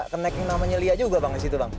kenek yang namanya lia juga bang disitu